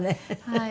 はい。